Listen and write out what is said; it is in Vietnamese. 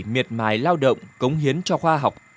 miệt mái lao động cống hiến cho khoa học